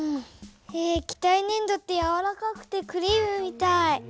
液体ねん土ってやわらかくてクリームみたい。